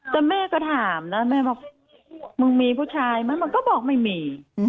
แต่แม่ก็ถามนะแม่บอกมึงมีผู้ชายไหมมึงก็บอกไม่มี